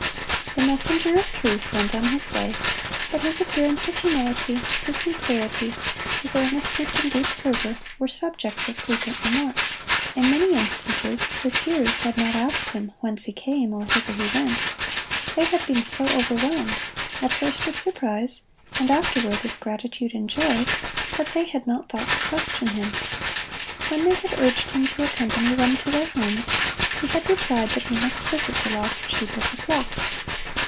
The messenger of truth went on his way; but his appearance of humility, his sincerity, his earnestness and deep fervor, were subjects of frequent remark. In many instances his hearers had not asked him whence he came or whither he went. They had been so overwhelmed, at first with surprise, and afterward with gratitude and joy, that they had not thought to question him. When they had urged him to accompany them to their homes, he had replied that he must visit the lost sheep of the flock.